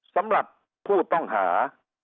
สำหรับผู้ต้องหา